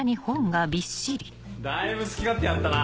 だいぶ好き勝手やったな。